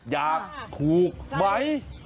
อยากถูกไหม